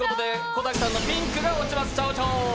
小谷さんのピンクが落ちます。